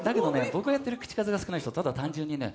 僕がやっている口数が少ない人、ただ単純にね